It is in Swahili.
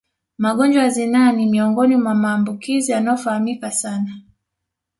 Magonjwa ya zinaa ni miongoni mwa maambukizi yanayofahamika sana